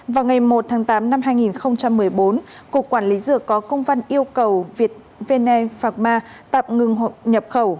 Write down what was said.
vào ngày một tháng tám năm hai nghìn một mươi bốn cục quản lý dược có công văn yêu cầu việt vne phạc ma tạm ngừng nhập khẩu